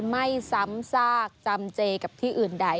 ไม่ซ้ำซากจำเจกับที่อื่นใด